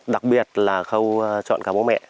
đặc biệt là khâu chọn cá bố mẹ